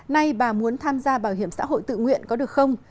nay bà muốn tham gia bảo hiểm xã hội tự nguyện có được không